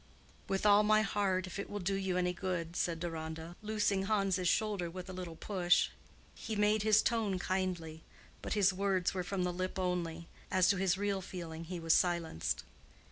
"With all my heart, if it will do you any good," said Deronda, loosing Hans's shoulder, with a little push. He made his tone kindly, but his words were from the lip only. As to his real feeling he was silenced.